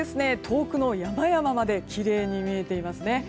遠くの山々まできれいに見えていますね。